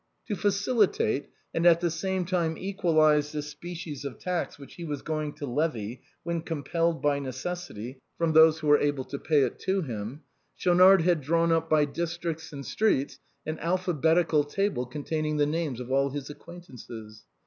* To facili tate, and at the same time equalize this species of tax which he was going to levy, when compelled by necessity, from those who were able to pay it to him, Schaunard had drawn up by districts and streets an alphabetical table containing the names of all his acquaintances.